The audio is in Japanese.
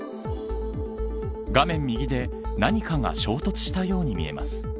画面右で、何かが衝突したように見えます。